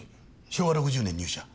昭和６０年入社。